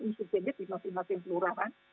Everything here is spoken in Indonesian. insidennya di masing masing kelurahan